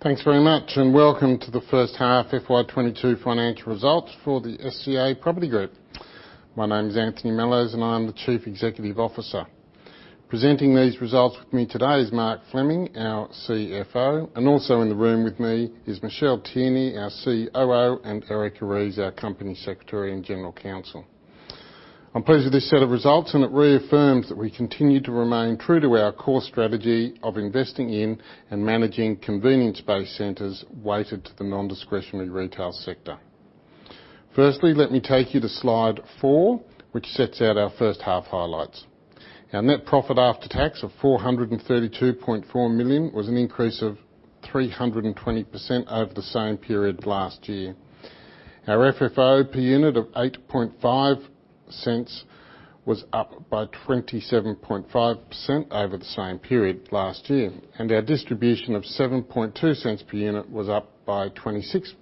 Thanks very much, and welcome to the first half FY 2022 financial results for the SCA Property Group. My name's Anthony Mellowes, and I am the Chief Executive Officer. Presenting these results with me today is Mark Fleming, our CFO, and also in the room with me is Michelle Tierney, our COO, and Erica Reeves, our Company Secretary and General Counsel. I'm pleased with this set of results, and it reaffirms that we continue to remain true to our core strategy of investing in and managing convenience-based centers weighted to the nondiscretionary retail sector. First, let me take you to slide four, which sets out our first half highlights. Our net profit after tax of AUD 432.4 million was an increase of 320% over the same period last year. Our FFO per unit of 0.085 was up by 27.5% over the same period last year. Our distribution of 0.072 per unit was up by 26%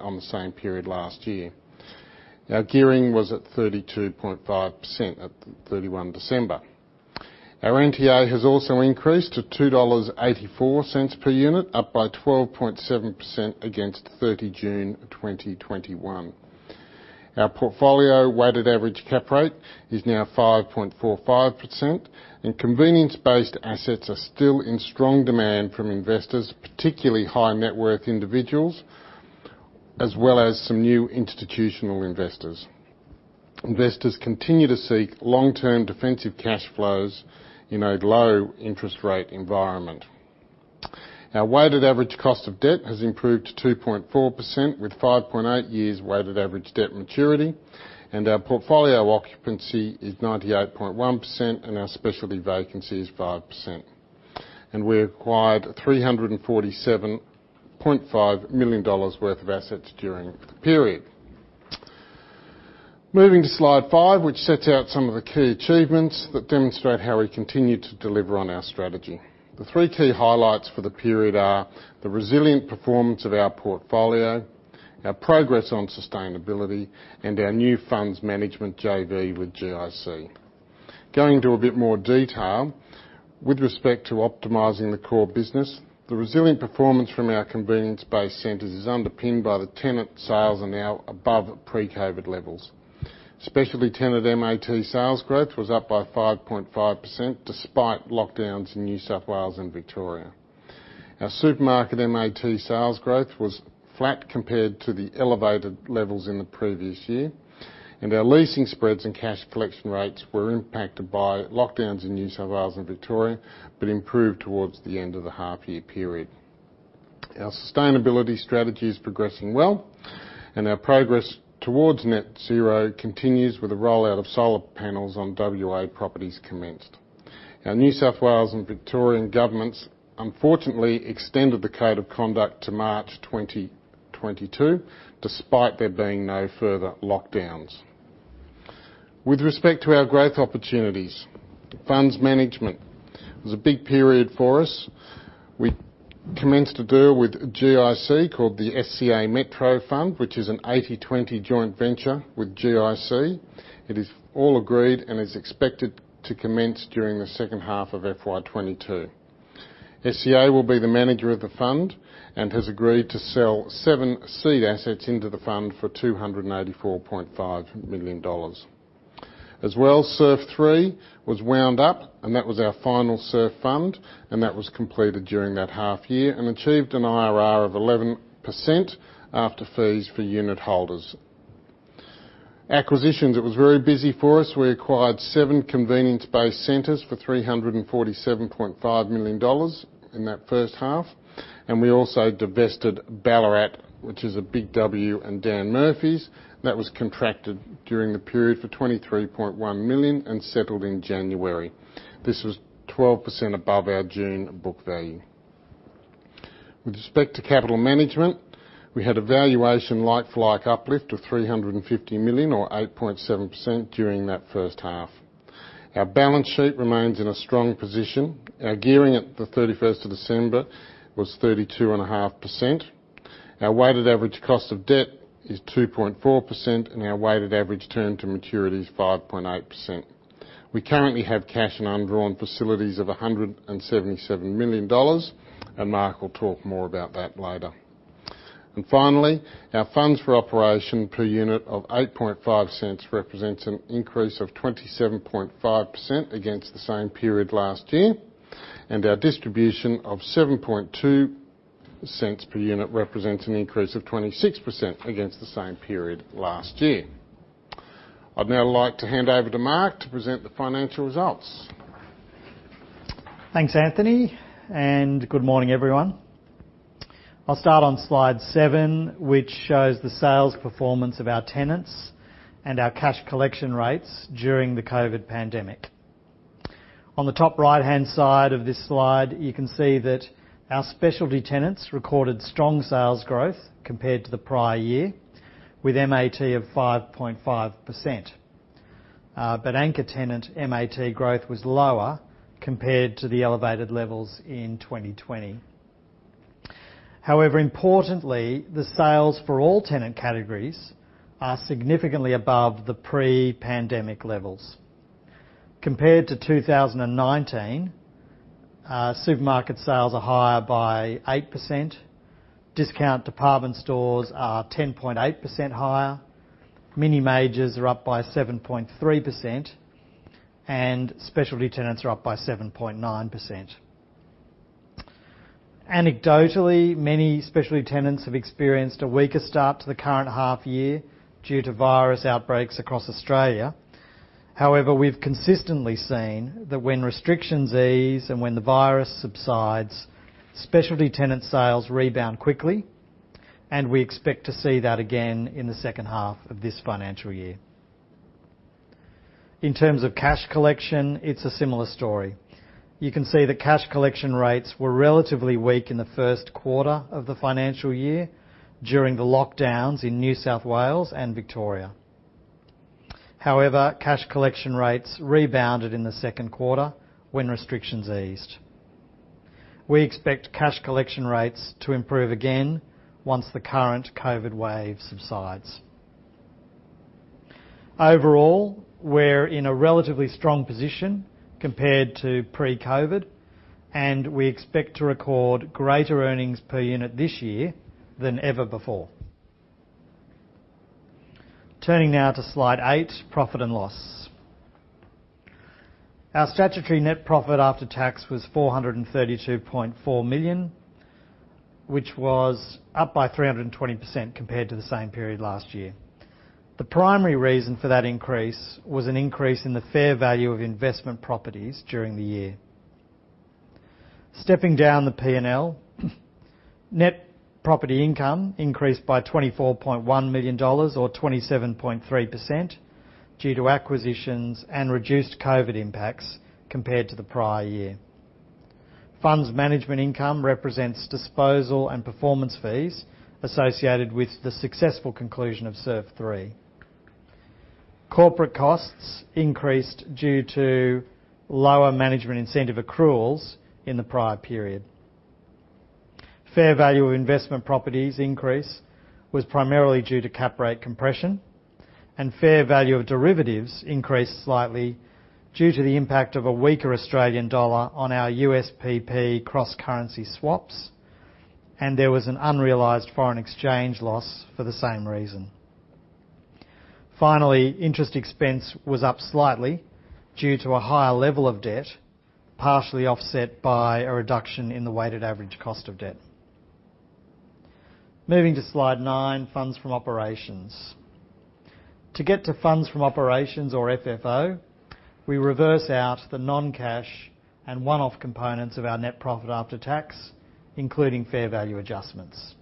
on the same period last year. Our gearing was at 32.5% at 31 December. Our NTA has also increased to 2.84 dollars per unit, up by 12.7% against 30 June 2021. Our portfolio weighted average cap rate is now 5.45%, and convenience-based assets are still in strong demand from investors, particularly high net worth individuals, as well as some new institutional investors. Investors continue to seek long-term defensive cash flows in a low interest rate environment. Our weighted average cost of debt has improved to 2.4%, with 5.8 years weighted average debt maturity. Our portfolio occupancy is 98.1%, and our specialty vacancy is 5%. We acquired AUD 347.5 million worth of assets during the period. Moving to slide five, which sets out some of the key achievements that demonstrate how we continue to deliver on our strategy. The three key highlights for the period are the resilient performance of our portfolio, our progress on sustainability, and our new funds management JV with GIC. Going into a bit more detail, with respect to optimizing the core business, the resilient performance from our convenience-based centers is underpinned by the tenant sales are now above pre-COVID levels. Specialty tenant MAT sales growth was up by 5.5% despite lockdowns in New South Wales and Victoria. Our supermarket MAT sales growth was flat compared to the elevated levels in the previous year. Our leasing spreads and cash collection rates were impacted by lockdowns in New South Wales and Victoria, but improved towards the end of the half-year period. Our sustainability strategy is progressing well, and our progress towards net zero continues with the rollout of solar panels on WA properties has commenced. The New South Wales and Victorian governments unfortunately extended the Code of Conduct to March 2022, despite there being no further lockdowns. With respect to our growth opportunities, funds management was a big period for us. We commenced a deal with GIC called the SCA Metro Fund, which is an 80-20 joint venture with GIC. It is all agreed and is expected to commence during the second half of FY 2022. SCA will be the manager of the fund and has agreed to sell 7 seed assets into the fund for 284.5 million dollars. As well, SURF 3 was wound up, and that was our final SURF fund, and that was completed during that half year and achieved an IRR of 11% after fees for unitholders. Acquisitions, it was very busy for us. We acquired seven convenience-based centers for 347.5 million dollars in that first half, and we also divested Ballarat, which is a Big W and Dan Murphy's. That was contracted during the period for 23.1 million and settled in January. This was 12% above our June book value. With respect to capital management, we had a valuation like-for-like uplift of 350 million, or 8.7%, during that first half. Our balance sheet remains in a strong position. Our gearing at the 31st of December was 32.5%. Our weighted average cost of debt is 2.4%, and our weighted average term to maturity is 5.8%. We currently have cash and undrawn facilities of 177 million dollars, and Mark will talk more about that later. Finally, our FFO per unit of 0.085 represents an increase of 27.5% against the same period last year, and our distribution of 0.072 per unit represents an increase of 26% against the same period last year. I'd now like to hand over to Mark to present the financial results. Thanks, Anthony, and good morning, everyone. I'll start on slide seven, which shows the sales performance of our tenants and our cash collection rates during the COVID pandemic. On the top right-hand side of this slide, you can see that our specialty tenants recorded strong sales growth compared to the prior year, with MAT of 5.5%. But anchor tenant MAT growth was lower compared to the elevated levels in 2020. However, importantly, the sales for all tenant categories are significantly above the pre-pandemic levels. Compared to 2019, supermarket sales are higher by 8%. Discount department stores are 10.8% higher. Mini majors are up by 7.3%, and specialty tenants are up by 7.9%. Anecdotally, many specialty tenants have experienced a weaker start to the current half year due to virus outbreaks across Australia. However, we've consistently seen that when restrictions ease and when the virus subsides, specialty tenant sales rebound quickly, and we expect to see that again in the second half of this financial year. In terms of cash collection, it's a similar story. You can see the cash collection rates were relatively weak in the first quarter of the financial year during the lockdowns in New South Wales and Victoria. However, cash collection rates rebounded in the second quarter when restrictions eased. We expect cash collection rates to improve again once the current COVID wave subsides. Overall, we're in a relatively strong position compared to pre-COVID, and we expect to record greater earnings per unit this year than ever before. Turning now to slide eight, profit and loss. Our statutory net profit after tax was 432.4 million, which was up by 320% compared to the same period last year. The primary reason for that increase was an increase in the fair value of investment properties during the year. Stepping down the P&L, net property income increased by 24.1 million dollars or 27.3% due to acquisitions and reduced COVID impacts compared to the prior year. Funds management income represents disposal and performance fees associated with the successful conclusion of SURF 3. Corporate costs increased due to lower management incentive accruals in the prior period. Fair value of investment properties increase was primarily due to cap rate compression, and fair value of derivatives increased slightly due to the impact of a weaker Australian dollar on our USPP cross-currency swaps, and there was an unrealized foreign exchange loss for the same reason. Interest expense was up slightly due to a higher level of debt, partially offset by a reduction in the weighted average cost of debt. Moving to slide nine, funds from operations. To get to funds from operations or FFO, we reverse out the non-cash and one-off components of our net profit after tax, including fair value adjustments.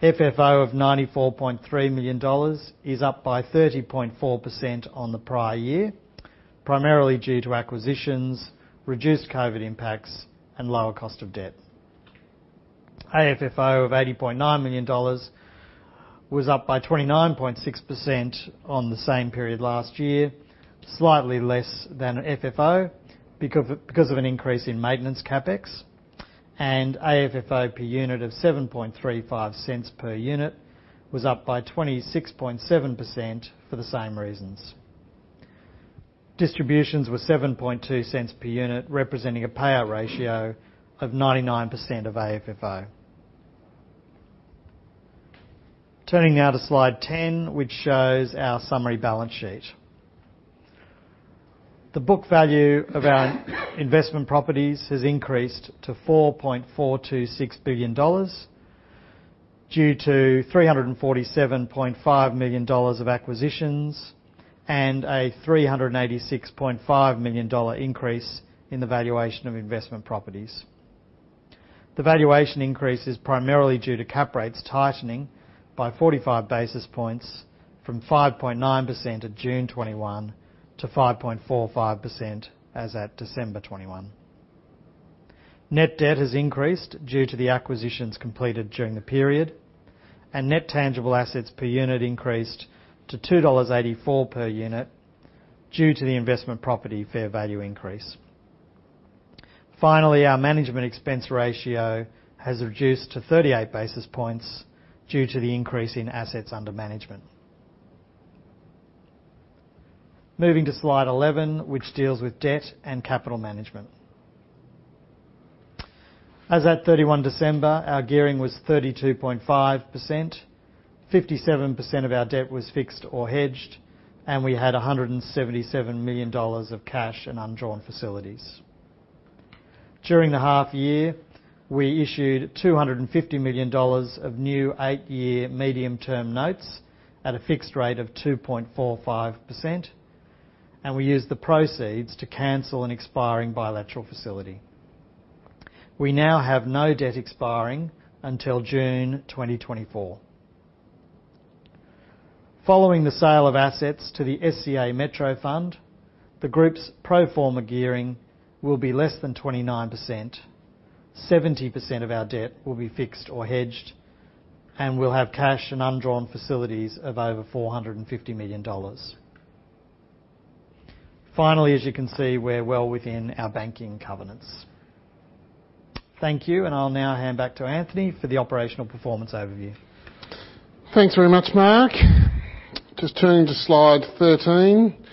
FFO of 94.3 million dollars is up by 30.4% on the prior year, primarily due to acquisitions, reduced COVID impacts, and lower cost of debt. AFFO of 80.9 million dollars was up by 29.6% on the same period last year, slightly less than FFO because of an increase in maintenance CapEx. AFFO per unit of 0.0735 per unit was up by 26.7% for the same reasons. Distributions were 0.072 per unit, representing a payout ratio of 99% of AFFO. Turning now to slide 10, which shows our summary balance sheet. The book value of our investment properties has increased to 4.426 billion dollars due to 347.5 million dollars of acquisitions and a 386.5 million dollar increase in the valuation of investment properties. The valuation increase is primarily due to cap rates tightening by 45 basis points from 5.9% at June 2021 to 5.45% as at December 2021. Net debt has increased due to the acquisitions completed during the period, and net tangible assets per unit increased to 2.84 dollars per unit due to the investment property fair value increase. Finally, our management expense ratio has reduced to 38 basis points due to the increase in assets under management. Moving to slide 11, which deals with debt and capital management. As at 31 December, our gearing was 32.5%, 57% of our debt was fixed or hedged, and we had 177 million dollars of cash in undrawn facilities. During the half year, we issued 250 million dollars of new eight-year medium-term notes at a fixed rate of 2.45%, and we used the proceeds to cancel an expiring bilateral facility. We now have no debt expiring until June 2024. Following the sale of assets to the SCA Metro Fund, the group's pro forma gearing will be less than 29%, 70% of our debt will be fixed or hedged, and we'll have cash and undrawn facilities of over 450 million dollars. Finally, as you can see, we're well within our banking covenants. Thank you. I'll now hand back to Anthony for the operational performance overview. Thanks very much, Mark. Just turning to slide 13.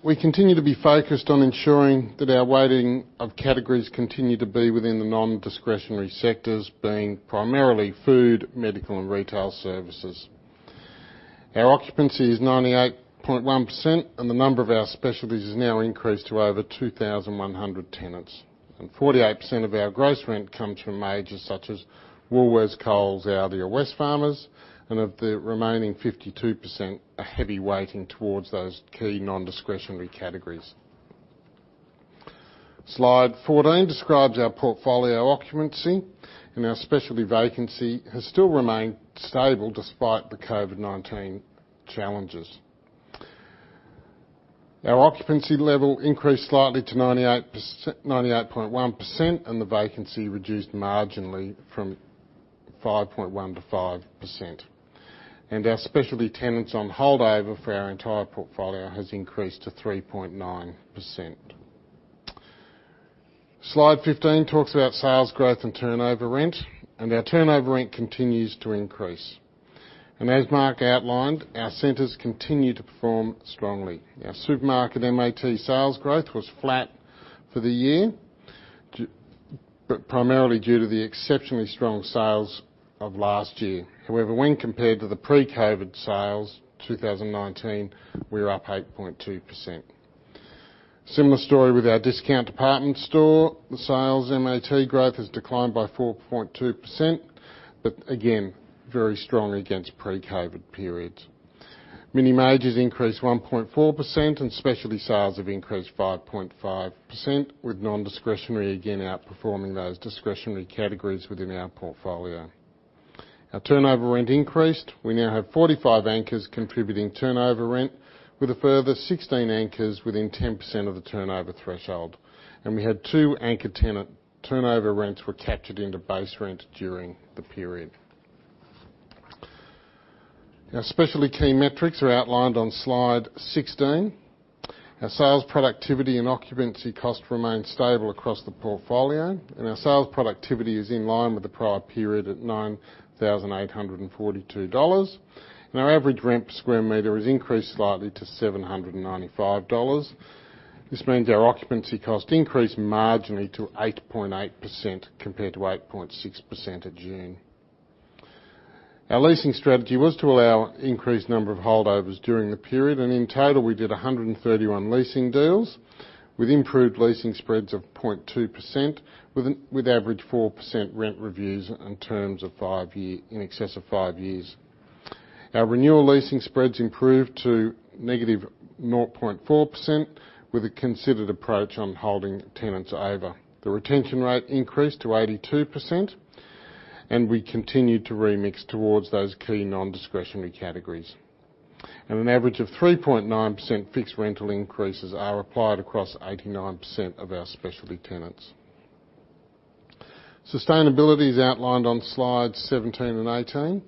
We continue to be focused on ensuring that our weighting of categories continue to be within the nondiscretionary sectors, being primarily food, medical and retail services. Our occupancy is 98.1%, and the number of our specialties has now increased to over 2,100 tenants. Forty-eight percent of our gross rent comes from majors such as Woolworths, Coles, ALDI or Wesfarmers. Of the remaining 52% are heavy weighting towards those key nondiscretionary categories. Slide 14 describes our portfolio occupancy, and our specialty vacancy has still remained stable despite the COVID-19 challenges. Our occupancy level increased slightly to 98.1%, and the vacancy reduced marginally from 5.1% to 5%. Our specialty tenants on holdover for our entire portfolio has increased to 3.9%. Slide 15 talks about sales growth and turnover rent, and our turnover rent continues to increase. As Mark outlined, our centers continue to perform strongly. Our supermarket MAT sales growth was flat for the year but primarily due to the exceptionally strong sales of last year. However, when compared to the pre-COVID sales, 2019, we were up 8.2%. Similar story with our discount department store. The sales MAT growth has declined by 4.2%, but again, very strong against pre-COVID periods. Mini majors increased 1.4%, and specialty sales have increased 5.5%, with nondiscretionary again outperforming those discretionary categories within our portfolio. Our turnover rent increased. We now have 45 anchors contributing turnover rent with a further 16 anchors within 10% of the turnover threshold. We had two anchor tenant turnover rents were captured into base rent during the period. Our specialty key metrics are outlined on slide 16. Our sales productivity and occupancy cost remained stable across the portfolio, and our sales productivity is in line with the prior period at 9,842 dollars. Our average rent per sq m has increased slightly to 795 dollars. This means our occupancy cost increased marginally to 8.8% compared to 8.6% at June. Our leasing strategy was to allow increased number of holdovers during the period, and in total, we did 131 leasing deals with improved leasing spreads of 0.2% with average 4% rent reviews in excess of five years. Our renewal leasing spreads improved to negative 0.4% with a considered approach on holding tenants over. The retention rate increased to 82%, and we continued to remix towards those key nondiscretionary categories. An average of 3.9% fixed rental increases are applied across 89% of our specialty tenants. Sustainability is outlined on slides 17 and 18.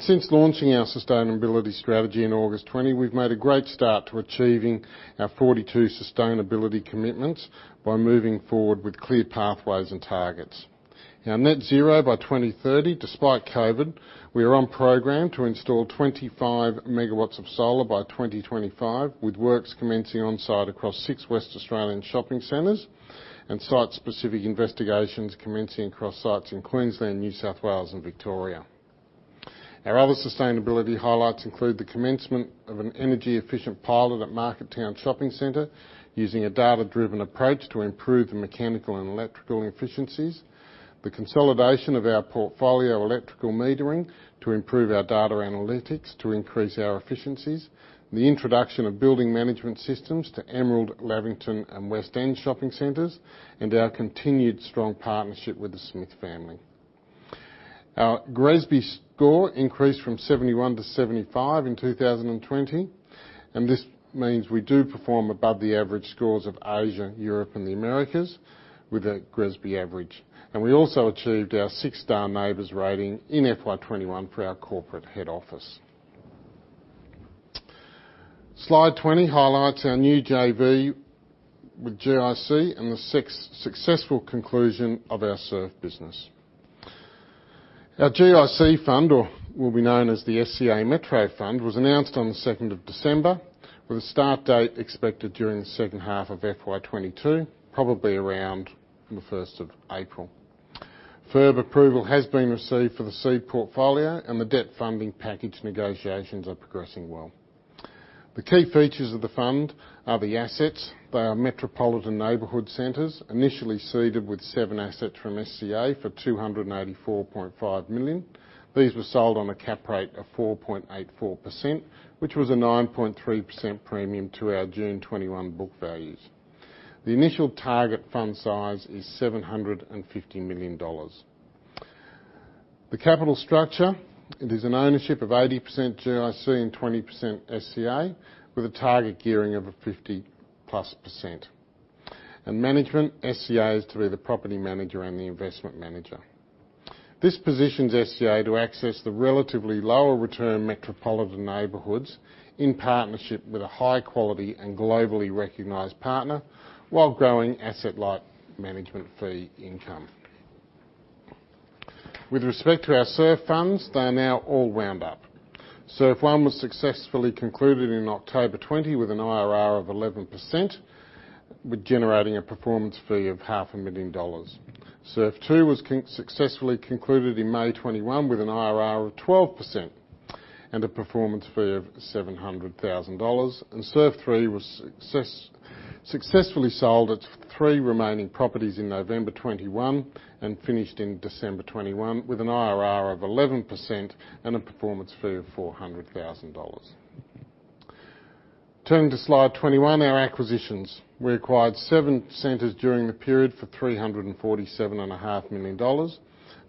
Since launching our sustainability strategy in August 2020, we've made a great start to achieving our 42 sustainability commitments by moving forward with clear pathways and targets. Our net zero by 2030 despite COVID. We are on program to install 25 MW of solar by 2025, with works commencing on-site across six Western Australian shopping centers and site-specific investigations commencing across sites in Queensland, New South Wales and Victoria. Our other sustainability highlights include the commencement of an energy-efficient pilot at Market Town Shopping Center using a data-driven approach to improve the mechanical and electrical efficiencies, the consolidation of our portfolio electrical metering to improve our data analytics to increase our efficiencies, the introduction of building management systems to Emerald, Lavington and West End shopping centers, and our continued strong partnership with The Smith Family. Our GRESB score increased from 71 to 75 in 2020, and this means we do perform above the average scores of Asia, Europe and the Americas with a GRESB average. We also achieved our 6-star NABERS rating in FY 2021 for our corporate head office. Slide 20 highlights our new JV with GIC and the successful conclusion of our SURF business. Our GIC fund, or will be known as the SCA Metro Fund, was announced on the second of December with a start date expected during the second half of FY 2022, probably around the first of April. FIRB approval has been received for the seed portfolio and the debt funding package negotiations are progressing well. The key features of the fund are the assets. They are metropolitan neighborhood centers, initially seeded with seven assets from SCA for 284.5 million. These were sold on a cap rate of 4.84%, which was a 9.3% premium to our June 2021 book values. The initial target fund size is 750 million dollars. The capital structure, it is an ownership of 80% GIC and 20% SCA with a target gearing of 50%+. Management, SCA is to be the property manager and the investment manager. This positions SCA to access the relatively lower return metropolitan neighborhoods in partnership with a high quality and globally recognized partner while growing asset light management fee income. With respect to our SURF funds, they are now all wound up. SURF 1 was successfully concluded in October 2020 with an IRR of 11%, generating a performance fee of AUD half a million dollars. SURF 2 was successfully concluded in May 2021 with an IRR of 12% and a performance fee of 700,000 dollars. SURF 3 was successfully sold its three remaining properties in November 2021 and finished in December 2021 with an IRR of 11% and a performance fee of 400,000 dollars. Turning to slide 21, our acquisitions. We acquired seven centers during the period for 347.5 Million dollars,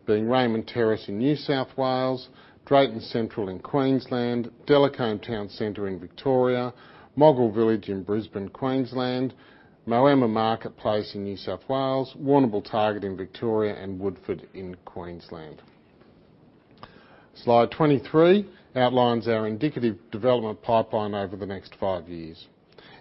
being Raymond Terrace in New South Wales, Drayton Central in Queensland, Delacombe Town Center in Victoria, Moggill Village in Brisbane, Queensland, Moama Marketplace in New South Wales, Warrnambool Target in Victoria, and Woodford in Queensland. Slide 23 outlines our indicative development pipeline over the next five years.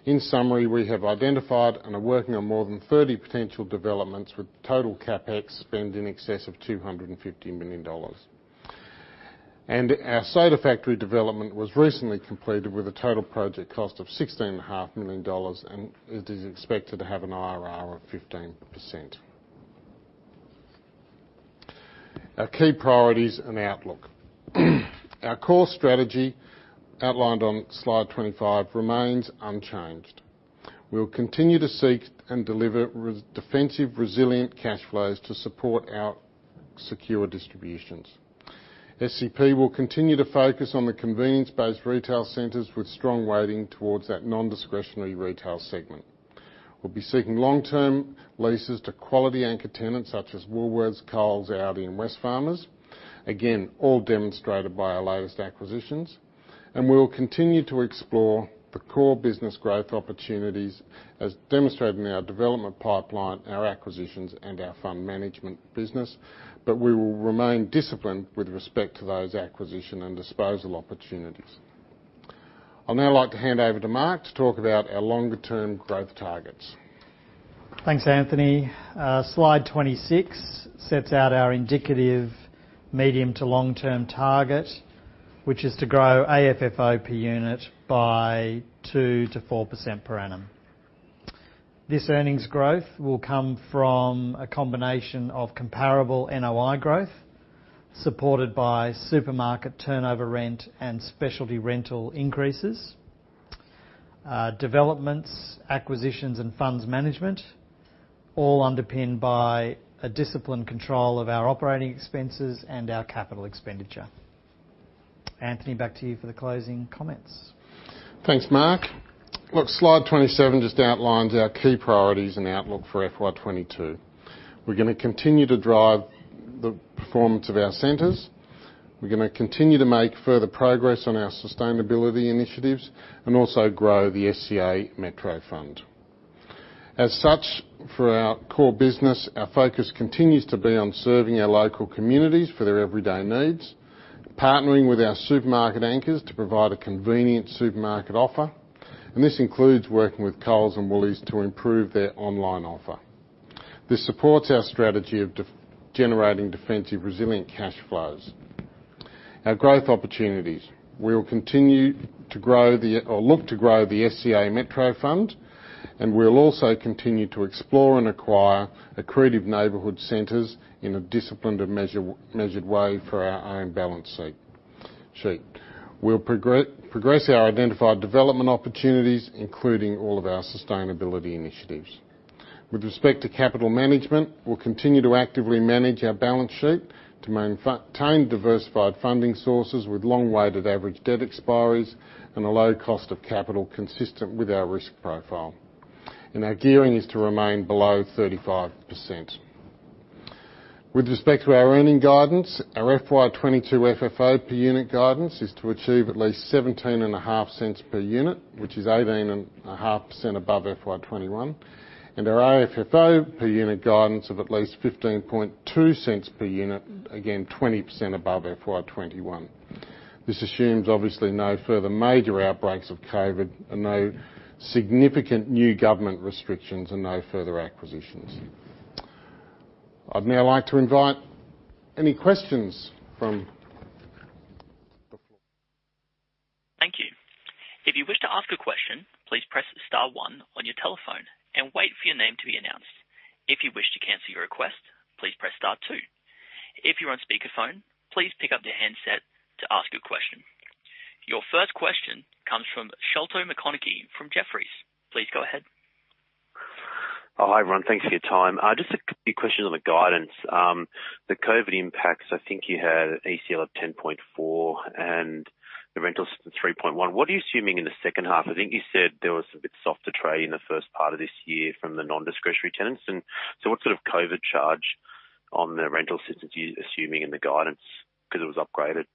In summary, we have identified and are working on more than 30 potential developments with total CapEx spend in excess of 250 million dollars. Our Soda Factory development was recently completed with a total project cost of 16.5 million dollars, and it is expected to have an IRR of 15%. Our key priorities and outlook. Our core strategy outlined on slide 25 remains unchanged. We'll continue to seek and deliver defensive, resilient cash flows to support our secure distributions. SCP will continue to focus on the convenience-based retail centers with strong weighting towards that nondiscretionary retail segment. We'll be seeking long-term leases to quality anchor tenants such as Woolworths, Coles, ALDI, and Wesfarmers. Again, all demonstrated by our latest acquisitions. We will continue to explore the core business growth opportunities as demonstrated in our development pipeline, our acquisitions, and our fund management business, but we will remain disciplined with respect to those acquisition and disposal opportunities. I'd now like to hand over to Mark to talk about our longer-term growth targets. Thanks, Anthony. Slide 26 sets out our indicative medium to long-term target, which is to grow AFFO per unit by 2%-4% per annum. This earnings growth will come from a combination of comparable NOI growth, supported by supermarket turnover rent and specialty rental increases, developments, acquisitions, and funds management, all underpinned by a disciplined control of our operating expenses and our capital expenditure. Anthony, back to you for the closing comments. Thanks, Mark. Look, slide 27 just outlines our key priorities and outlook for FY 2022. We're gonna continue to drive the performance of our centers. We're gonna continue to make further progress on our sustainability initiatives and also grow the SCA Metro Fund. As such, for our core business, our focus continues to be on serving our local communities for their everyday needs, partnering with our supermarket anchors to provide a convenient supermarket offer, and this includes working with Coles and Woolies to improve their online offer. This supports our strategy of generating defensive, resilient cash flows. Our growth opportunities. We will continue to look to grow the SCA Metro Fund, and we'll also continue to explore and acquire accretive neighborhood centers in a disciplined and measured way for our own balance sheet. We'll progress our identified development opportunities, including all of our sustainability initiatives. With respect to capital management, we'll continue to actively manage our balance sheet to maintain diversified funding sources with long-weighted average debt expiries and a low cost of capital consistent with our risk profile. Our gearing is to remain below 35%. With respect to our earnings guidance, our FY 2022 FFO per unit guidance is to achieve at least 0.175 per unit, which is 18.5% above FY 2021, and our AFFO per unit guidance of at least 0.152 per unit, again 20% above FY 2021. This assumes obviously no further major outbreaks of COVID and no significant new government restrictions and no further acquisitions. I'd now like to invite any questions from the floor. Thank you. If you wish to ask a question, please press star one on your telephone and wait for your name to be announced. If you wish to cancel your request, please press star two. If you're on speakerphone, please pick up the handset to ask your question. Your first question comes from Sholto Maconochie from Jefferies. Please go ahead. Hi, everyone. Thanks for your time. Just a quick question on the guidance. The COVID impacts, I think you had ECL of 10.4 and the rental assistance 3.1. What are you assuming in the second half? I think you said there was a bit softer trade in the first part of this year from the nondiscretionary tenants. What sort of COVID charge on the rental assistance you assuming in the guidance because it was upgraded?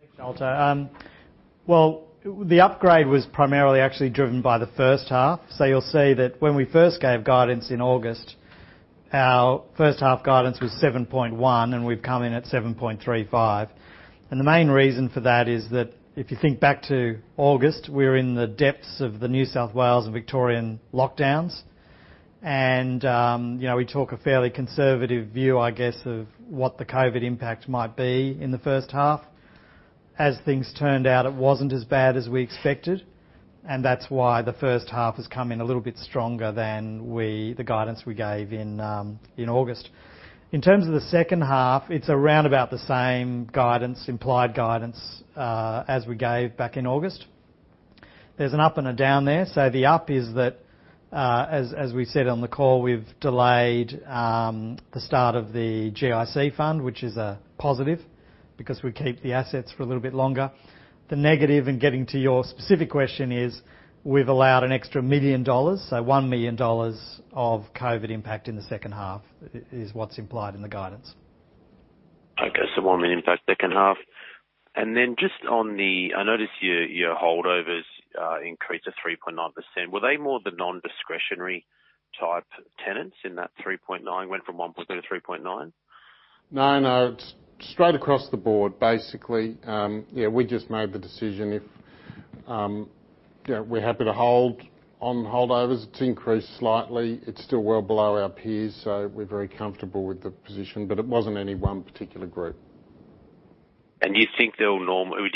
Thanks, Walter. Well, the upgrade was primarily actually driven by the first half. You'll see that when we first gave guidance in August, our first half guidance was 7.1, and we've come in at 7.35. The main reason for that is that if you think back to August, we were in the depths of the New South Wales and Victorian lockdowns. You know, we took a fairly conservative view, I guess, of what the COVID impact might be in the first half. As things turned out, it wasn't as bad as we expected, and that's why the first half has come in a little bit stronger than the guidance we gave in August. In terms of the second half, it's around about the same guidance, implied guidance, as we gave back in August. There's an up and a down there. The up is that, as we said on the call, we've delayed the start of the GIC fund, which is a positive because we keep the assets for a little bit longer. The negative, in getting to your specific question, is we've allowed an extra 1 million dollars. AUD 1 million of COVID impact in the second half is what's implied in the guidance. Okay. 1 million impact second half. Just on the holdovers, I notice your holdovers increased to 3.9%. Were they more the non-discretionary type tenants in that 3.9%, went from 1% to 3.9%? No, no. It's straight across the board, basically. Yeah, we just made the decision if, you know, we're happy to hold on holdovers. It's increased slightly. It's still well below our peers, so we're very comfortable with the position. But it wasn't any one particular group. Do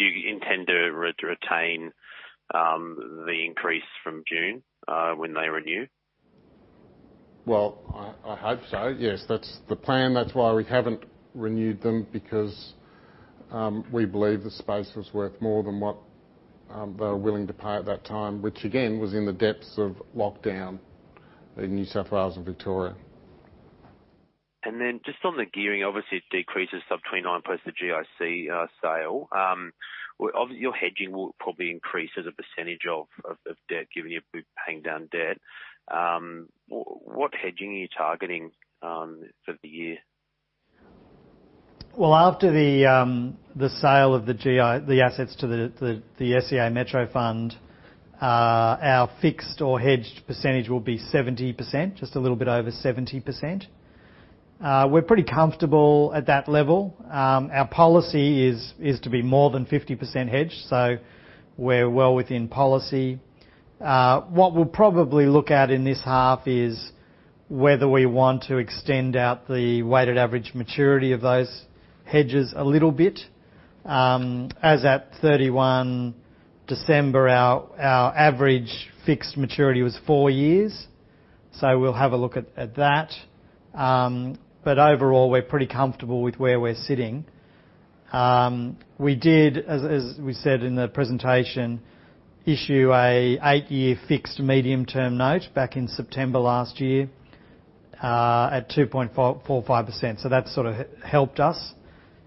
you intend to retain the increase from June when they renew? Well, I hope so. Yes. That's the plan. That's why we haven't renewed them because we believe the space was worth more than what they were willing to pay at that time, which again, was in the depths of lockdown in New South Wales and Victoria. Then just on the gearing, obviously it decreases sub 29% plus the GIC sale. Well, your hedging will probably increase as a percentage of debt, given you'll be paying down debt. What hedging are you targeting for the year? After the sale of the GIC assets to the SCA Metro Fund, our fixed or hedged percentage will be 70%, just a little bit over 70%. We're pretty comfortable at that level. Our policy is to be more than 50% hedged, so we're well within policy. What we'll probably look at in this half is whether we want to extend out the weighted average maturity of those hedges a little bit. As at 31 December, our average fixed maturity was four years, so we'll have a look at that. But overall, we're pretty comfortable with where we're sitting. We did, as we said in the presentation, issue an eight-year fixed medium-term note back in September last year, at 2.445%. That sort of helped us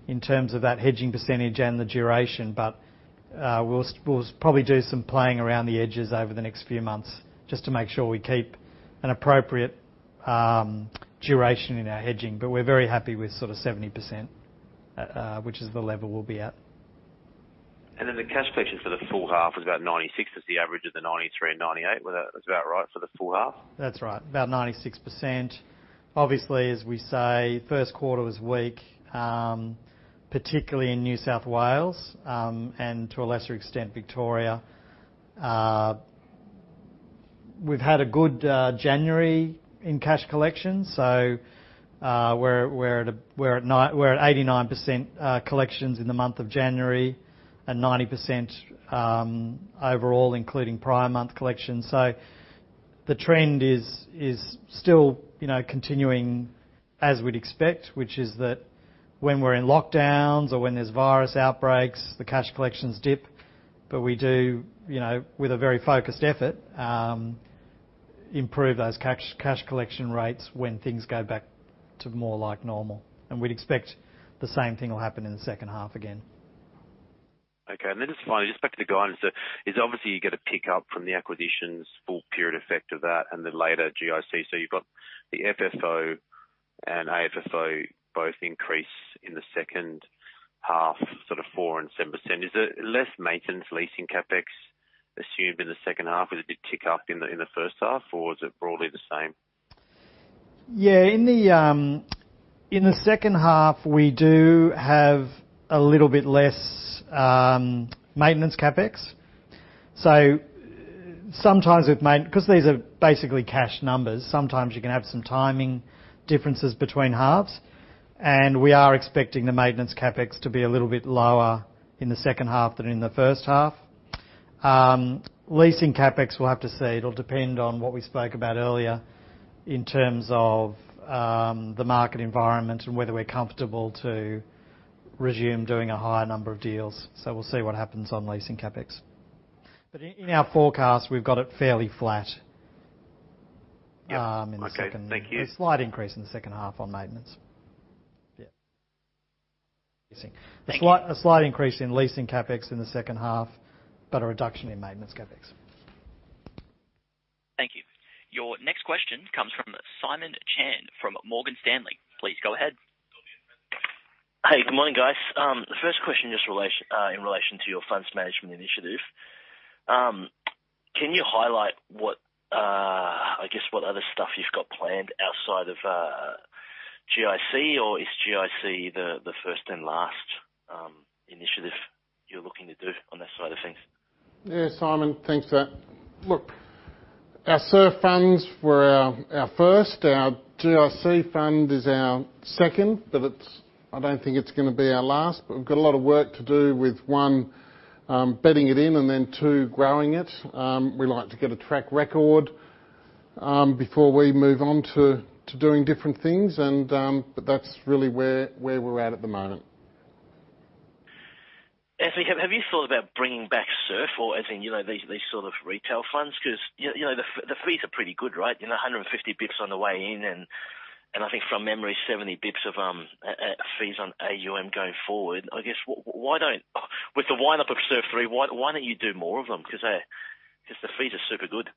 in terms of that hedging percentage and the duration. We'll probably do some playing around the edges over the next few months just to make sure we keep an appropriate duration in our hedging. We're very happy with sort of 70%, which is the level we'll be at. The cash collection for the full half was about 96%, was the average of the 93% and 98%. Was that about right for the full half? That's right. About 96%. Obviously, as we say, first quarter was weak, particularly in New South Wales, and to a lesser extent, Victoria. We've had a good January in cash collections. We're at 89% collections in the month of January and 90% overall, including prior month collections. The trend is still, you know, continuing as we'd expect, which is that when we're in lockdowns or when there's virus outbreaks, the cash collections dip. We do, you know, with a very focused effort, improve those cash collection rates when things go back to more like normal. We'd expect the same thing will happen in the second half again. Okay. Just finally, just back to the guidance, is obviously you get a pick-up from the acquisitions, full period effect of that, and the later GIC. You've got the FFO and AFFO both increase in the second half, sort of 4% and 7%. Is there less maintenance, leasing CapEx assumed in the second half? Or does it tick up in the first half? Or is it broadly the same? Yeah. In the second half, we do have a little bit less maintenance CapEx. Sometimes 'cause these are basically cash numbers, sometimes you can have some timing differences between halves, and we are expecting the maintenance CapEx to be a little bit lower in the second half than in the first half. Leasing CapEx, we'll have to see. It'll depend on what we spoke about earlier in terms of the market environment and whether we're comfortable to resume doing a higher number of deals. We'll see what happens on leasing CapEx. In our forecast, we've got it fairly flat. Yep. Okay. Thank you. A slight increase in the second half on maintenance. Yeah. Thank you. A slight increase in leasing CapEx in the second half, but a reduction in maintenance CapEx. Thank you. Your next question comes from Simon Chan from Morgan Stanley. Please go ahead. Hey, good morning, guys. The first question in relation to your funds management initiative. Can you highlight, I guess, what other stuff you've got planned outside of GIC? Or is GIC the first and last initiative you're looking to do on that side of things? Yeah, Simon, thanks for that. Look, our SURF funds were our first. Our GIC fund is our second, but it's, I don't think it's gonna be our last, but we've got a lot of work to do with, one, bedding it in, and then, two, growing it. We like to get a track record before we move on to doing different things. That's really where we're at the moment. Anthony, have you thought about bringing back SURF or adding, you know, these sort of retail funds? 'Cause you know, the fees are pretty good, right? You know, 150 bps on the way in. I think from memory, 70 basis points of fees on AUM going forward. With the wind up of SURF 3, why don't you do more of them? 'Cause the fees are super good.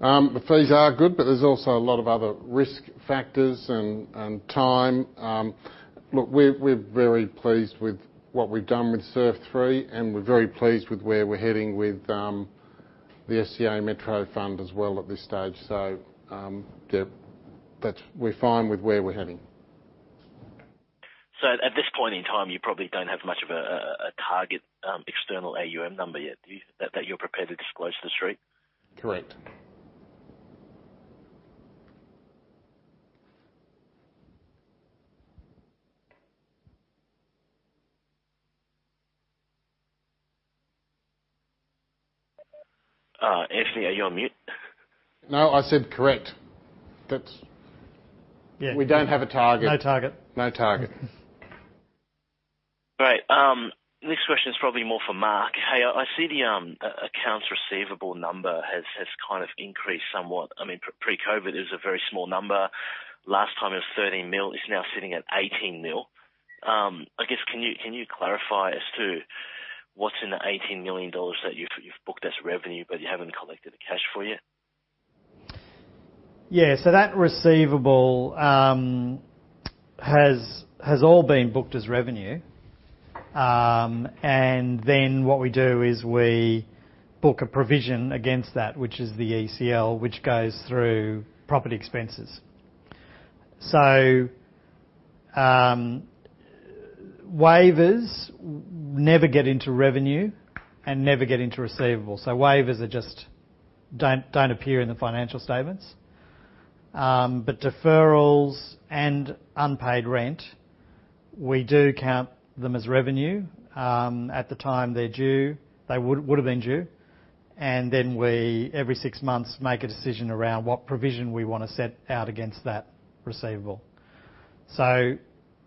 The fees are good, but there's also a lot of other risk factors and time. Look, we're very pleased with what we've done with SURF 3, and we're very pleased with where we're heading with the SCA Metro Fund as well at this stage. Yeah, but we're fine with where we're heading. At this point in time, you probably don't have much of a target external AUM number yet, do you, that you're prepared to disclose to the street? Correct. Anthony, are you on mute? No. I said correct. That's Yeah. We don't have a target. No target. No target. Great. This question is probably more for Mark. Hey, I see the accounts receivable number has kind of increased somewhat. I mean, pre-COVID is a very small number. Last time it was 13 million, it's now sitting at 18 million. I guess can you clarify as to what's in the 18 million dollars that you've booked as revenue, but you haven't collected the cash for yet? Yeah. That receivable has all been booked as revenue. What we do is we book a provision against that, which is the ECL, which goes through property expenses. Waivers never get into revenue and never get into receivables. Waivers just don't appear in the financial statements. Deferrals and unpaid rent, we do count them as revenue at the time they're due. They would have been due. We, every six months, make a decision around what provision we wanna set aside against that receivable.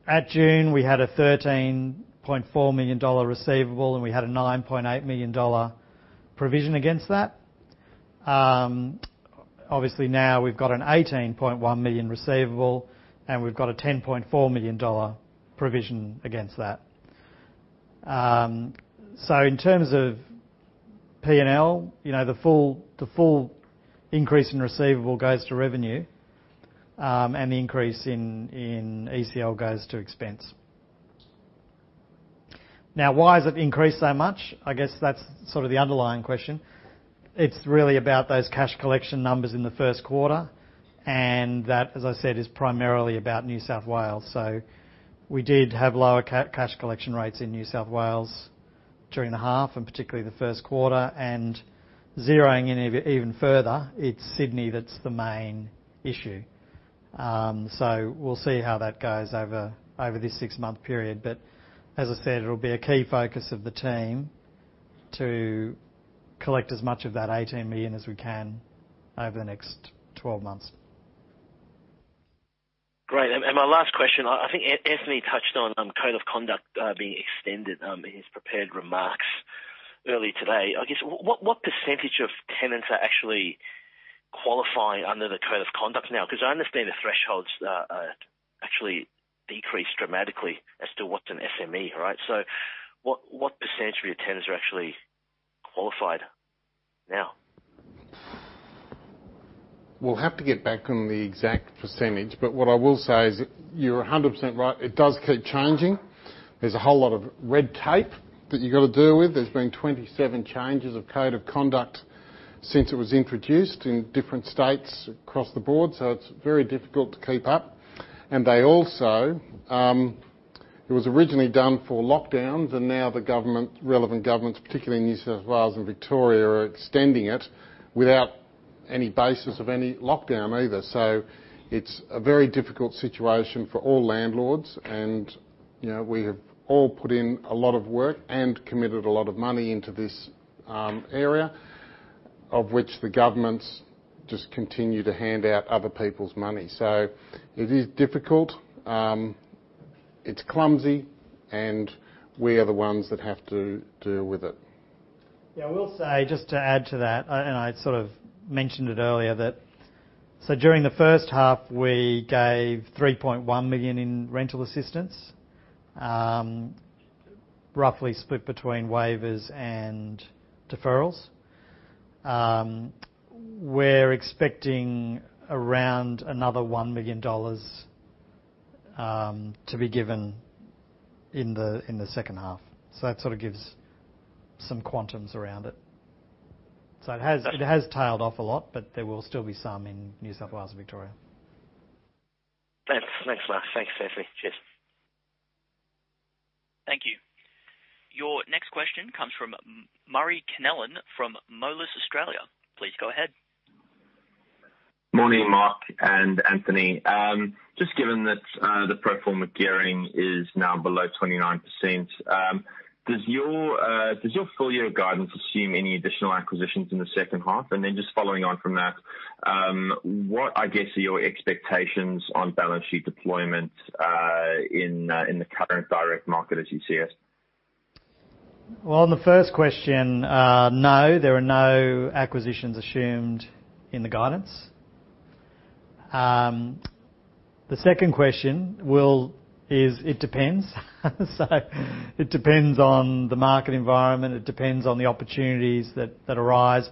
At June, we had an 13.4 million dollar receivable, and we had an 9.8 million dollar provision against that. Obviously, now we've got an 18.1 million receivable, and we've got an 10.4 million dollar provision against that. In terms of P&L, you know, the full increase in receivable goes to revenue, and the increase in ECL goes to expense. Now, why has it increased so much? I guess that's sort of the underlying question. It's really about those cash collection numbers in the first quarter, and that, as I said, is primarily about New South Wales. We did have lower cash collection rates in New South Wales during the half and particularly the first quarter. Zeroing in even further, it's Sydney that's the main issue. We'll see how that goes over this six-month period. As I said, it'll be a key focus of the team to collect as much of that 18 million as we can over the next 12 months. Great. My last question. I think Anthony touched on Code of Conduct being extended in his prepared remarks earlier today. I guess what percentage of tenants are actually qualifying under the Code of Conduct now? 'Cause I understand the thresholds actually decreased dramatically as to what's an SME, right? What percentage of your tenants are actually qualified now? We'll have to get back on the exact percentage, but what I will say is you're 100% right. It does keep changing. There's a whole lot of red tape that you gotta deal with. There's been 27 changes of Code of Conduct since it was introduced in different states across the board. It's very difficult to keep up. They also. It was originally done for lockdowns, and now the government, relevant governments, particularly New South Wales and Victoria, are extending it without any basis of any lockdown either. It's a very difficult situation for all landlords. You know, we have all put in a lot of work and committed a lot of money into this area, of which the governments just continue to hand out other people's money. It is difficult. It's clumsy, and we are the ones that have to deal with it. Yeah. I will say, just to add to that, and I sort of mentioned it earlier, that during the first half, we gave 3.1 million in rental assistance. Roughly split between waivers and deferrals. We're expecting around another 1 million dollars to be given in the second half. That sort of gives some quantum around it. It has tailed off a lot, but there will still be some in New South Wales and Victoria. Thanks. Thanks, Mark. Thanks, Anthony. Cheers. Thank you. Your next question comes from Murray Connellan from Moelis Australia. Please go ahead. Morning, Mark and Anthony. Just given that, the pro forma gearing is now below 29%, does your full year guidance assume any additional acquisitions in the second half? Just following on from that, what, I guess, are your expectations on balance sheet deployment, in the current direct market as you see it? Well, on the first question, no, there are no acquisitions assumed in the guidance. The second question is, it depends. It depends on the market environment, it depends on the opportunities that arise.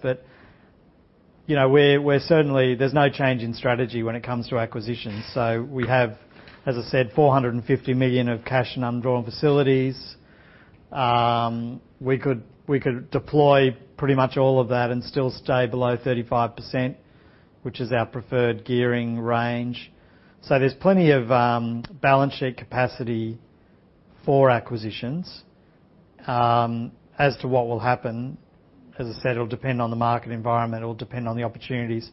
You know, we're certainly. There's no change in strategy when it comes to acquisitions. We have, as I said, 450 million of cash and undrawn facilities. We could deploy pretty much all of that and still stay below 35%, which is our preferred gearing range. There's plenty of balance sheet capacity for acquisitions. As to what will happen, as I said, it'll depend on the market environment, it'll depend on the opportunities.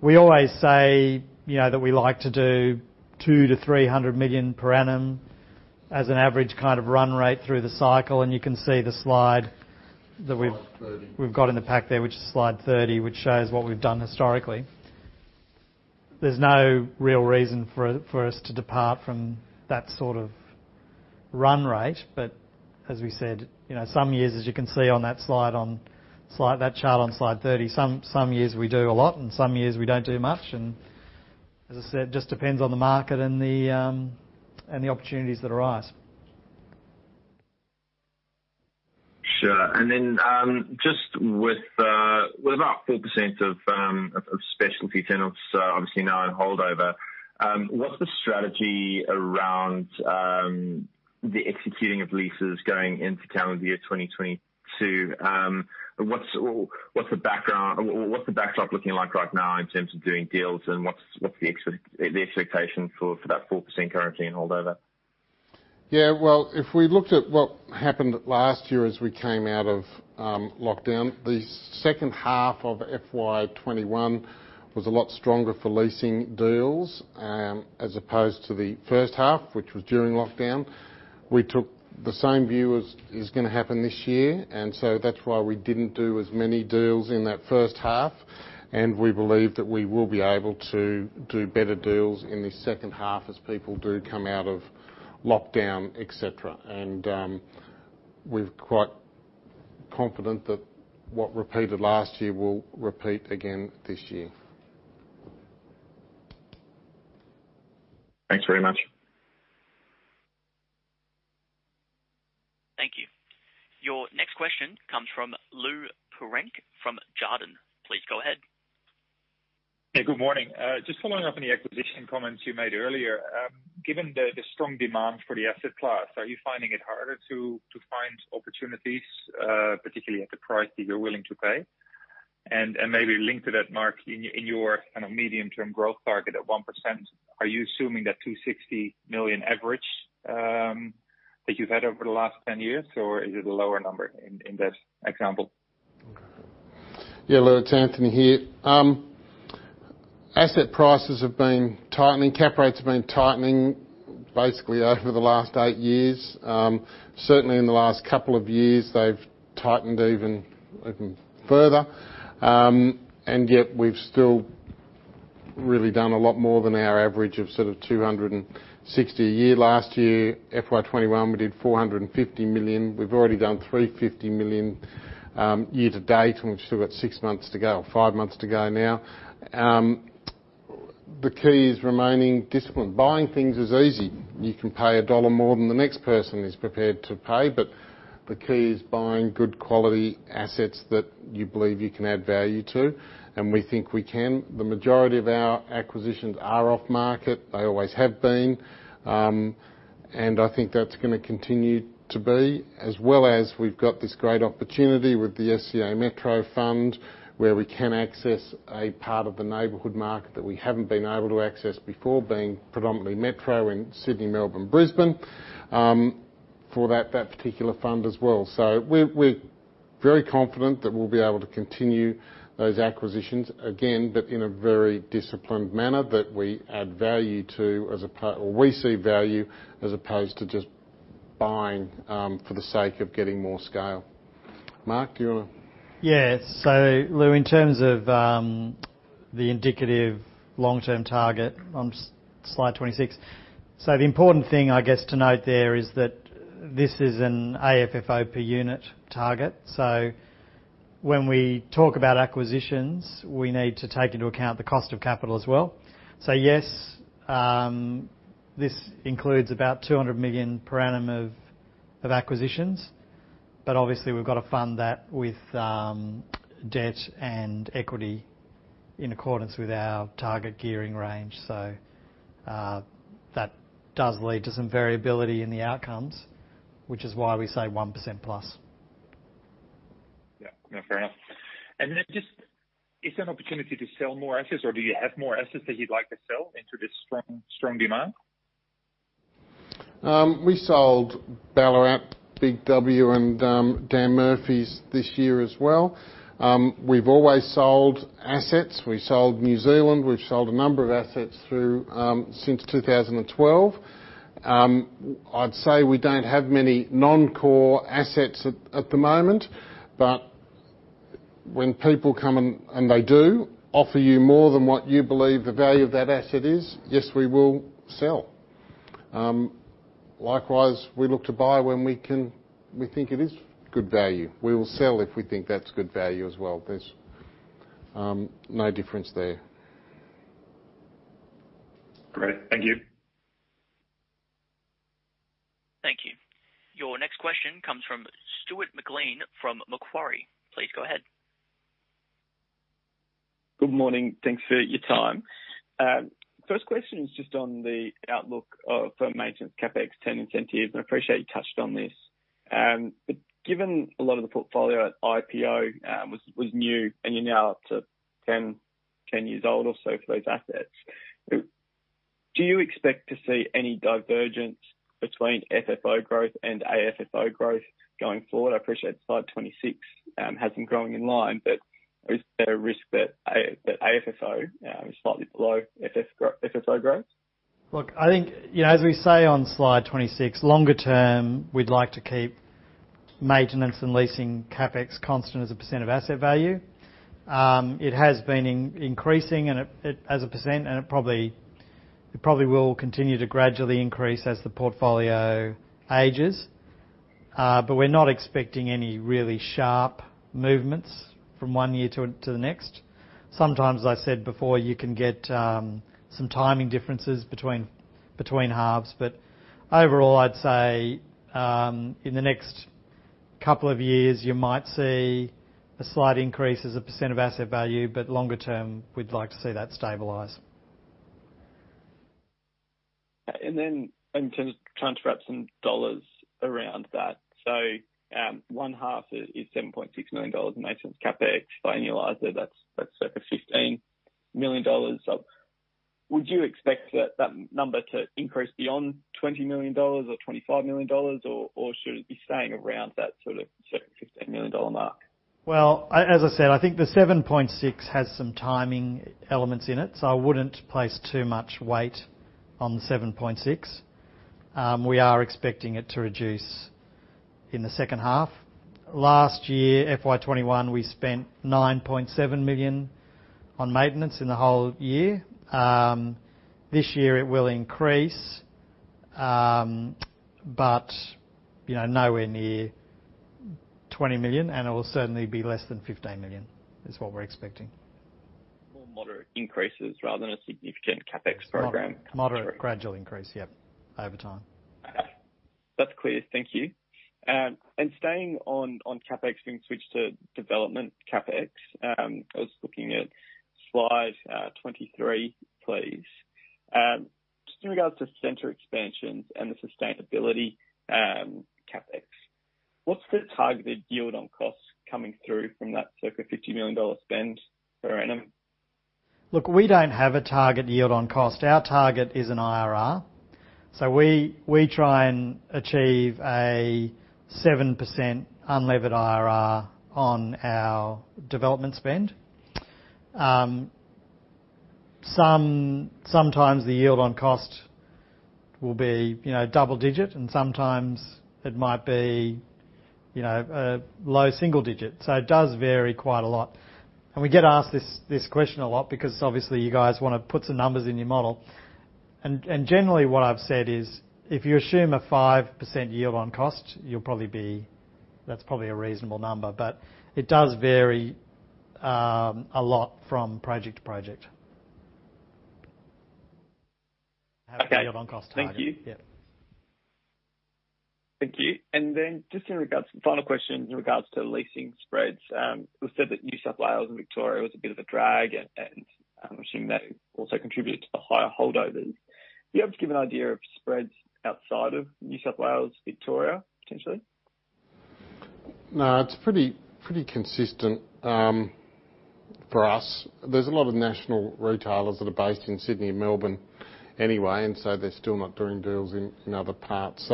We always say, you know, that we like to do 200 million-300 million per annum as an average kind of run rate through the cycle, and you can see the slide that we've. Slide 30. We've got in the pack there, which is slide 30, which shows what we've done historically. There's no real reason for us to depart from that sort of run rate. As we said, you know, some years, as you can see on that slide, that chart on slide 30, some years we do a lot, and some years we don't do much. As I said, it just depends on the market and the, and the opportunities that arise. Sure. Then, just with about 4% of specialty tenants, obviously now in holdover, what's the strategy around the executing of leases going into calendar year 2022? What's the background or what's the backdrop looking like right now in terms of doing deals, and what's the expectation for that 4% currently in holdover? Yeah. Well, if we looked at what happened last year as we came out of lockdown, the second half of FY 2021 was a lot stronger for leasing deals as opposed to the first half, which was during lockdown. We took the same view as is gonna happen this year, and so that's why we didn't do as many deals in that first half, and we believe that we will be able to do better deals in the second half as people do come out of lockdown, et cetera. We're quite confident that what repeated last year will repeat again this year. Thanks very much. Thank you. Your next question comes from Lou Pirenc from Jarden. Please go ahead. Hey, good morning. Just following up on the acquisition comments you made earlier. Given the strong demand for the asset class, are you finding it harder to find opportunities, particularly at the price that you're willing to pay? Maybe linked to that, Mark, in your kind of medium-term growth target at 1%, are you assuming that 260 million average that you've had over the last 10 years, or is it a lower number in this example? Yeah, Lou, it's Anthony here. Asset prices have been tightening. Cap rates have been tightening basically over the last eight years. Certainly in the last couple of years, they've tightened even further. Yet we've still really done a lot more than our average of sort of 260 a year. Last year, FY 2021, we did 450 million. We've already done 350 million year to date, and we've still got six months to go, or five months to go now. The key is remaining disciplined. Buying things is easy. You can pay a dollar more than the next person is prepared to pay, but the key is buying good quality assets that you believe you can add value to, and we think we can. The majority of our acquisitions are off market, they always have been. I think that's gonna continue to be, as well as we've got this great opportunity with the SCA Metro Fund, where we can access a part of the neighborhood market that we haven't been able to access before, being predominantly metro in Sydney, Melbourne, Brisbane, for that particular fund as well. We're very confident that we'll be able to continue those acquisitions again, but in a very disciplined manner that we add value to or we see value as opposed to just buying for the sake of getting more scale. Mark, you wanna. Yeah. Lou, in terms of the indicative long-term target on slide 26, the important thing, I guess, to note there is that this is an AFFO per unit target. When we talk about acquisitions, we need to take into account the cost of capital as well. Yes, this includes about 200 million per annum of acquisitions, but obviously, we've got to fund that with debt and equity in accordance with our target gearing range. That does lead to some variability in the outcomes, which is why we say 1%+. Yeah. No, fair enough. Just is there an opportunity to sell more assets or do you have more assets that you'd like to sell into this strong demand? We sold Ballarat, Big W and Dan Murphy's this year as well. We've always sold assets. We sold New Zealand. We've sold a number of assets through since 2012. I'd say we don't have many non-core assets at the moment. When people come in and they do offer you more than what you believe the value of that asset is, yes, we will sell. Likewise, we look to buy when we can. We think it is good value. We will sell if we think that's good value as well. There's no difference there. Great. Thank you. Thank you. Your next question comes from Stuart McLean from Macquarie. Please go ahead. Good morning. Thanks for your time. First question is just on the outlook of maintenance CapEx rent incentive, and I appreciate you touched on this. Given a lot of the portfolio IPO was new and you're now up to 10 years old or so for those assets, do you expect to see any divergence between FFO growth and AFFO growth going forward? I appreciate slide 26 has them growing in line. Is there a risk that AFFO is slightly below FFO growth? Look, I think, you know, as we say on slide 26, longer term, we'd like to keep maintenance and leasing CapEx constant as a percent of asset value. It has been increasing as a percent, and it probably will continue to gradually increase as the portfolio ages. We're not expecting any really sharp movements from one year to the next. Sometimes, as I said before, you can get some timing differences between halves. Overall, I'd say, in the next couple of years, you might see a slight increase as a percent of asset value, but longer term, we'd like to see that stabilize. To try and wrap some dollars around that. One half is 7.6 million dollars in maintenance CapEx. Annualized, that's circa 15 million dollars. Would you expect that number to increase beyond 20 million dollars or 25 million or should it be staying around that sort of certain 15 million dollar mark? Well, as I said, I think the 7.6 million has some timing elements in it, so I wouldn't place too much weight on the 7.6 million. We are expecting it to reduce in the second half. Last year, FY 2021, we spent 9.7 million on maintenance in the whole year. This year it will increase, but you know, nowhere near 20 million, and it will certainly be less than 15 million. It is what we're expecting. More moderate increases rather than a significant CapEx program. Moderate, gradual increase, yep, over time. That's clear. Thank you. Staying on CapEx, then switch to development CapEx. I was looking at slide 23, please. Just in regards to center expansions and the sustainability CapEx, what's the targeted yield on costs coming through from that circa 50 million dollar spend per annum? Look, we don't have a target yield on cost. Our target is an IRR. We try and achieve a 7% unlevered IRR on our development spend. Sometimes the yield on cost will be, you know, double digit, and sometimes it might be, you know, a low single digit. It does vary quite a lot. We get asked this question a lot because obviously you guys wanna put some numbers in your model. Generally what I've said is, if you assume a 5% yield on cost, you'll probably. That's probably a reasonable number, but it does vary a lot from project to project. Okay. The yield on cost target. Thank you. Yeah. Thank you. Just in regards, final question in regards to leasing spreads. You said that New South Wales and Victoria was a bit of a drag, and I'm assuming that also contributed to the higher holdovers. Are you able to give an idea of spreads outside of New South Wales, Victoria, potentially? No, it's pretty consistent for us. There's a lot of national retailers that are based in Sydney and Melbourne anyway, and so they're still not doing deals in other parts.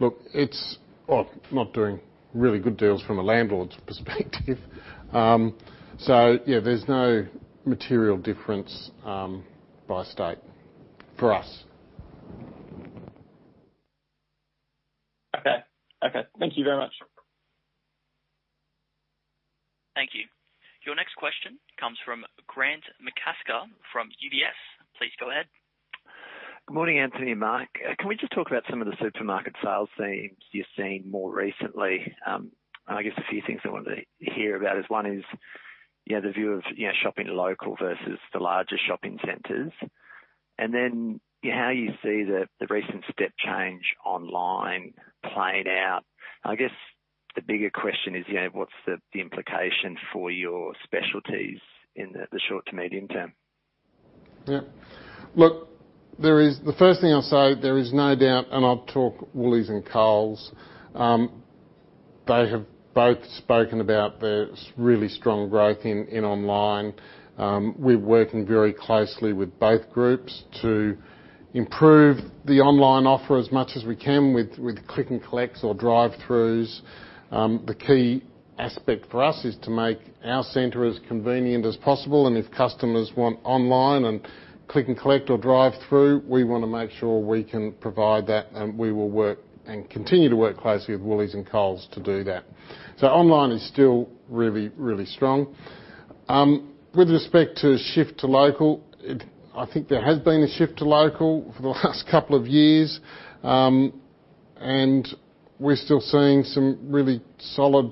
Look, it's, well, not doing really good deals from a landlord's perspective. Yeah, there's no material difference by state for us. Okay, thank you very much. Thank you. Your next question comes from Grant McCasker from UBS. Please go ahead. Good morning, Anthony and Mark. Can we just talk about some of the supermarket sales things you've seen more recently. I guess a few things I wanted to hear about, one is, yeah, the view of, you know, shopping local versus the larger shopping centers. How you see the recent step change online played out. I guess the bigger question is, you know, what's the implication for your specialties in the short to medium term? Yeah. Look, the first thing I'll say, there is no doubt, and I've talked to Woolies and Coles. They have both spoken about their really strong growth in online. We're working very closely with both groups to improve the online offer as much as we can with click and collects or drive-throughs. The key aspect for us is to make our center as convenient as possible, and if customers want online and click and collect or drive through, we wanna make sure we can provide that, and we will work and continue to work closely with Woolies and Coles to do that. Online is still really, really strong. With respect to shift to local, I think there has been a shift to local for the last couple of years, and we're still seeing some really solid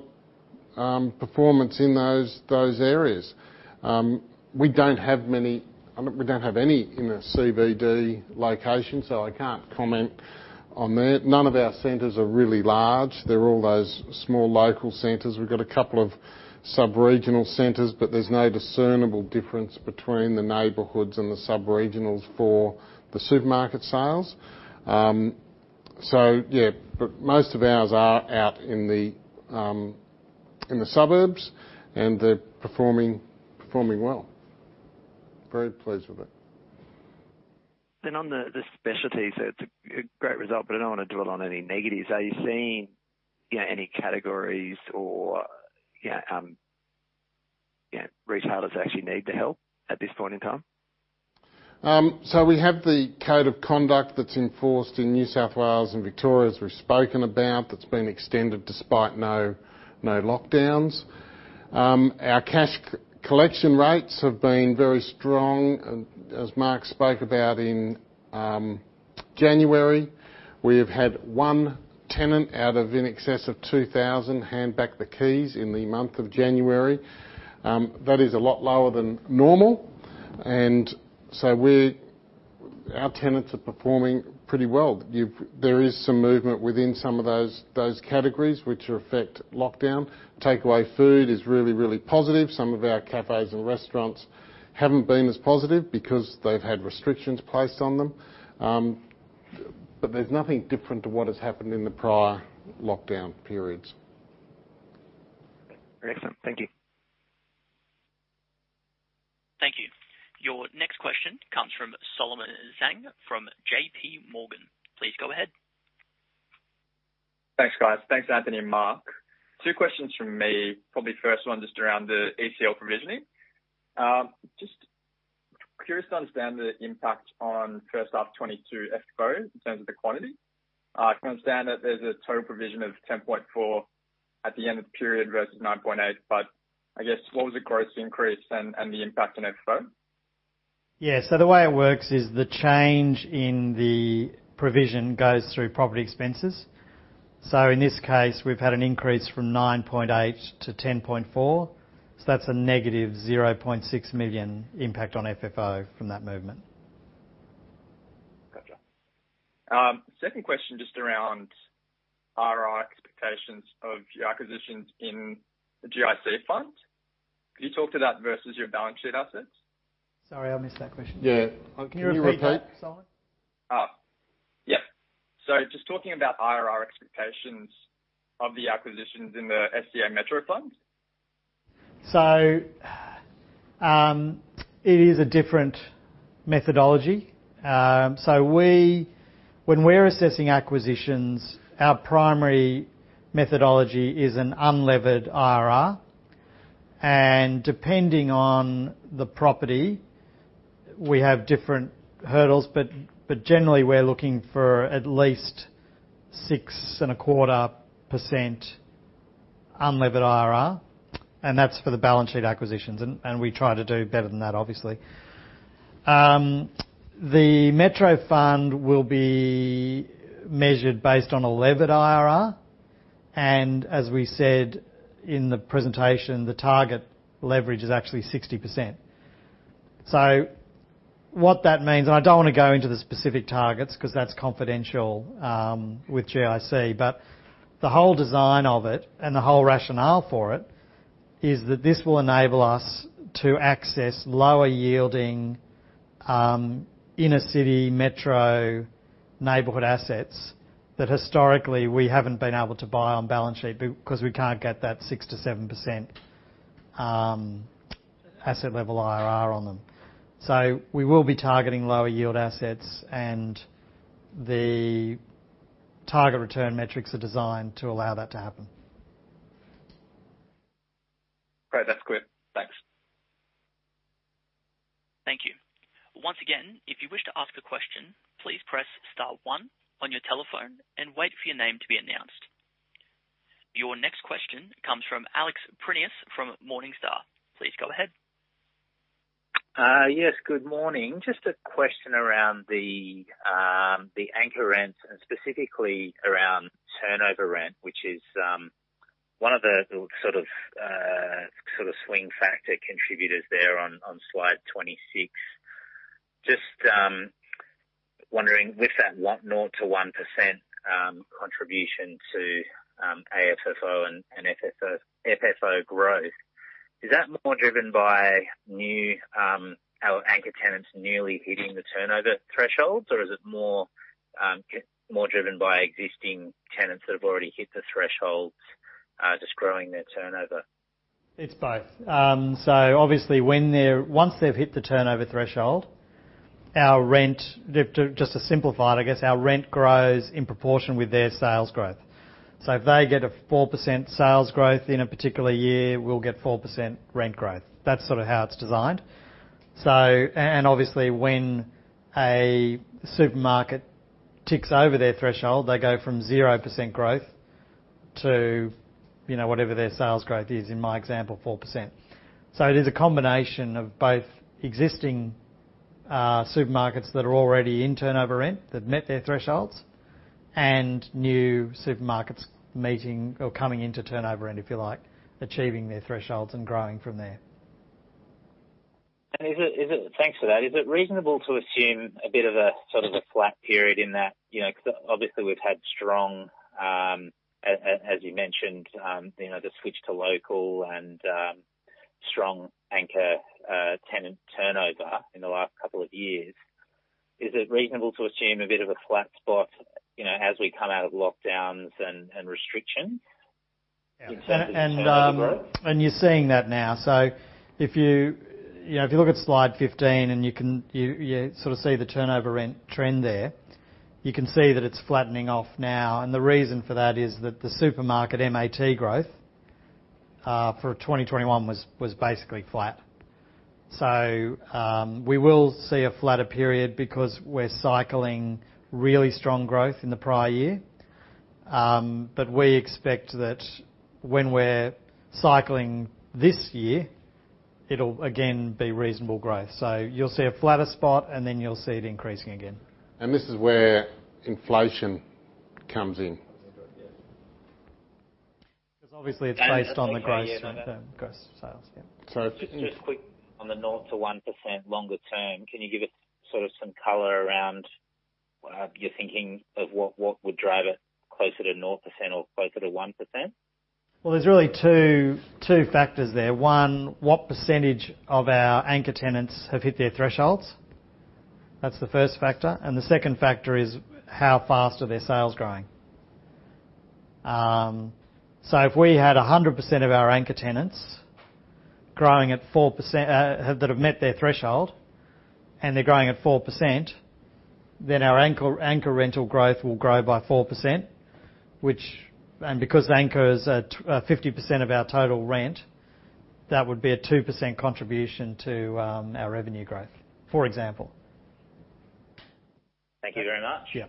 performance in those areas. I mean, we don't have any in the CBD location, so I can't comment on that. None of our centers are really large. They're all those small local centers. We've got a couple of sub-regional centers, but there's no discernible difference between the neighborhoods and the sub-regionals for the supermarket sales. Yeah. Most of ours are out in the suburbs, and they're performing well. Very pleased with it. On the specialties, it's a great result, but I don't wanna dwell on any negatives. Are you seeing, you know, any categories or, you know, retailers actually need the help at this point in time? We have the Mandatory Code of Conduct that's enforced in New South Wales and Victoria, as we've spoken about, that's been extended despite no lockdowns. Our cash collection rates have been very strong. As Mark spoke about in January, we have had one tenant out of in excess of 2,000 hand back the keys in the month of January. That is a lot lower than normal. Our tenants are performing pretty well. There is some movement within some of those categories which are affected by lockdown. Takeaway food is really positive. Some of our cafes and restaurants haven't been as positive because they've had restrictions placed on them. There's nothing different to what has happened in the prior lockdown periods. Excellent. Thank you. Thank you. Your next question comes from Lourenne Zhang from JPMorgan. Please go ahead. Thanks, guys. Thanks, Anthony and Mark. Two questions from me. Probably first one just around the ECL provisioning. Just curious to understand the impact on first half 2022 FFO in terms of the quantity. I can understand that there's a total provision of 10.4 at the end of the period versus 9.8, but I guess what was the gross increase and the impact on FFO? The way it works is the change in the provision goes through property expenses. In this case, we've had an increase from 9.8 million-10.4 million, so that's a negative 0.6 million impact on FFO from that movement. Gotcha. Second question, just around IRR expectations of the acquisitions in the GIC fund. Can you talk to that versus your balance sheet assets? Sorry, I missed that question. Yeah. Can you repeat? Can you repeat that, Lourenne? Oh, yeah. Just talking about IRR expectations of the acquisitions in the SCA Metro Fund. It is a different methodology. When we're assessing acquisitions, our primary methodology is an unlevered IRR, and depending on the property, we have different hurdles. Generally, we're looking for at least 6.25% unlevered IRR, and that's for the balance sheet acquisitions, and we try to do better than that, obviously. The Metro Fund will be measured based on a levered IRR, and as we said in the presentation, the target leverage is actually 60%. What that means, and I don't wanna go into the specific targets 'cause that's confidential with GIC, but the whole design of it and the whole rationale for it is that this will enable us to access lower yielding inner-city metro neighborhood assets that historically we haven't been able to buy on balance sheet because we can't get that 6%-7% asset level IRR on them. We will be targeting lower yield assets, and the target return metrics are designed to allow that to happen. Great. That's clear. Thanks. Thank you. Once again, if you wish to ask a question, please press star one on your telephone and wait for your name to be announced. Your next question comes from Alex Prineas from Morningstar. Please go ahead. Yes, good morning. Just a question around the anchor rents, and specifically around turnover rent, which is one of the sort of swing factor contributors there on slide 26. Just wondering with that 1.0%-1% contribution to AFFO and FFO growth, is that more driven by new anchor tenants newly hitting the turnover thresholds? Or is it more driven by existing tenants that have already hit the thresholds, just growing their turnover? It's both. Obviously once they've hit the turnover threshold, our rent to just simplify it, I guess, our rent grows in proportion with their sales growth. If they get a 4% sales growth in a particular year, we'll get 4% rent growth. That's sort of how it's designed. And obviously when a supermarket ticks over their threshold, they go from 0% growth to, you know, whatever their sales growth is, in my example, 4%. It is a combination of both existing supermarkets that are already in turnover rent, that met their thresholds, and new supermarkets meeting or coming into turnover rent, if you like, achieving their thresholds and growing from there. Thanks for that. Is it reasonable to assume a bit of a, sort of, a flat period in that? You know, 'cause obviously we've had strong, as you mentioned, you know, the switch to local and strong anchor tenant turnover in the last couple of years. Is it reasonable to assume a bit of a flat spot, you know, as we come out of lockdowns and restrictions in terms of. Turnover growth? You're seeing that now. If you look at slide 15 and you can sort of see the turnover rent trend there, you can see that it's flattening off now. The reason for that is that the supermarket MAT growth for 2021 was basically flat. We will see a flatter period because we're cycling really strong growth in the prior year. But we expect that when we're cycling this year, it'll again be reasonable growth. You'll see a flatter spot and then you'll see it increasing again. This is where inflation comes in. 'Cause obviously it's based on the gross. Sorry, yeah, but. Gross sales, yeah. So. Just quick on the 0%-1% longer term, can you give us, sort of, some color around, your thinking of what would drive it closer to 0% or closer to 1%? Well, there's really two factors there. One, what percentage of our anchor tenants have hit their thresholds? That's the first factor. The second factor is how fast are their sales growing? If we had 100% of our anchor tenants growing at 4% that have met their threshold and they're growing at 4%, then our anchor rental growth will grow by 4%, which because anchor is at 50% of our total rent, that would be a 2% contribution to our revenue growth, for example. Thank you very much. Yeah.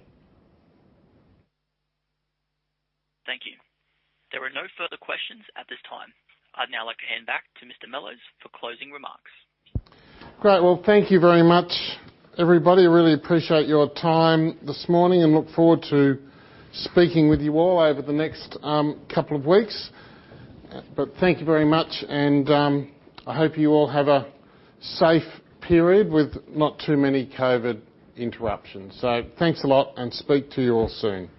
Thank you. There are no further questions at this time. I'd now like to hand back to Mr. Mellowes for closing remarks. Great. Well, thank you very much, everybody. Really appreciate your time this morning and look forward to speaking with you all over the next couple of weeks. Thank you very much and I hope you all have a safe period with not too many COVID interruptions. Thanks a lot and speak to you all soon.